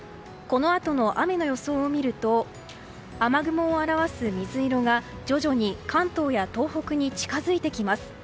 このあとの雨の予想を見ると雨雲を表す水色が、徐々に関東や東北に近づいてきます。